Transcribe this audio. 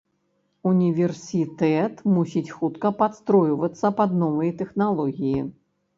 Універсітэт мусіць хутка падстройвацца пад новыя тэхналогіі.